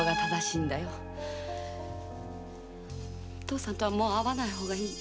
父さんとはもう会わない方がいい。